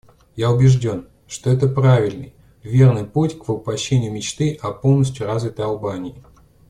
Я убежден, что это правильный, верный путь к воплощению мечты о полностью развитой Албании.